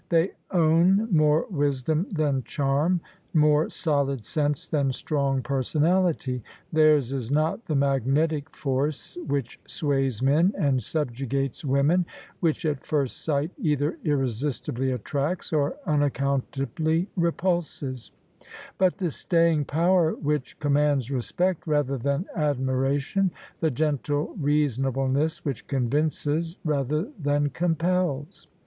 They own more wisdom than charm — more solid sense than strong personality. Theirs is not the magnetic force which sways men and subjugates women — ^which at first sight either irresistibly attracts or unaccountably repulses: but the staying power which com mands respect rather than admiration — ^the gentle reason ableness which convinces rather than compels.